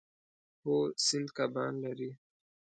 هو، سیند کبان لري